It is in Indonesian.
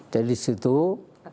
jadi di situ pasti